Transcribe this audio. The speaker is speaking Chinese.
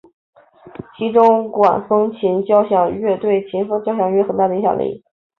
其中管风琴交响乐对管风琴曲目有很大的影响力。